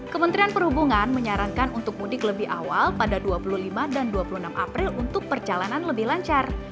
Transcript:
kementerian perhubungan menyarankan untuk mudik lebih awal pada dua puluh lima dan dua puluh enam april untuk perjalanan lebih lancar